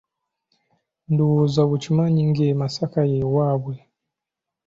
Ndowooza okimanyi ng'e Masaka y'ewabwe?